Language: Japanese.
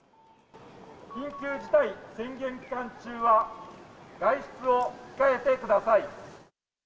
緊急事態宣言期間中は、外出を控えてください。